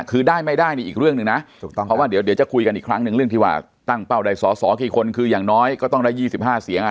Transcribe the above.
คือได้ไม่ได้นี่อีกเรื่องหนึ่งนะถูกต้องเพราะว่าเดี๋ยวจะคุยกันอีกครั้งหนึ่งเรื่องที่ว่าตั้งเป้าได้สอสอกี่คนคืออย่างน้อยก็ต้องได้๒๕เสียง